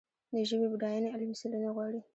د ژبې بډاینه علمي څېړنې غواړي.